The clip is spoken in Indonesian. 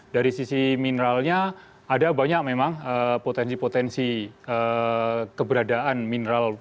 dari sisi mineralnya ada banyak memang potensi potensi keberadaan mineral